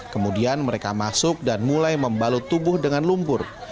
kemudian mereka masuk dan mulai membalut tubuh dengan lumpur